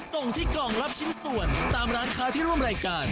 ส่งที่กล่องรับชิ้นส่วนตามร้านค้าที่ร่วมรายการ